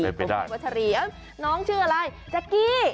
เป็นไปได้วัดชะลีอ่ะน้องชื่ออะไรแจ๊กกี้